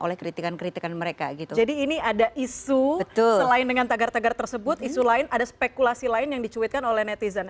jadi ini ada isu selain dengan tagar tagar tersebut isu lain ada spekulasi lain yang dicuitkan oleh netizen